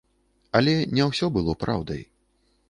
Але не ўсё было праўдай.